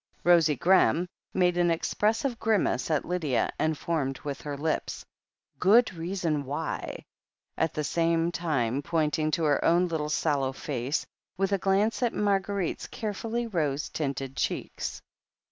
Rosie Graham made an expressive grimace at Lydia, and formed with her lips : "Good reason why !" at the same time pointing to her own little sallow face, with a glance at Marguerite's carefully rose tinted cheeks.